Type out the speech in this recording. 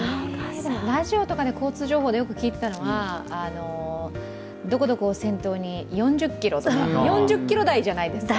ラジオとか交通情報でよく聞いていたのはどこどこを先頭に４０ｋｍとか、４０ｋｍ台じゃないですか？